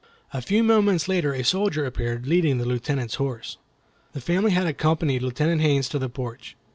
In a few moments a soldier appeared leading the Lieutenant's horse. The family had accompanied Lieutenant Haines to the porch.